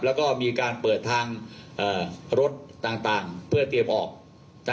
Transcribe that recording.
แล้วก็มีการเปิดทางรถต่างเพื่อเตรียมออกนะ